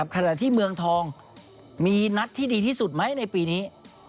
ขณะที่เมืองทองมีนัดที่ดีที่สุดไหมในปีนี้